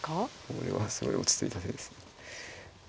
これはすごい落ち着いた手ですね。